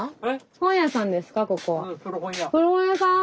古本屋さん。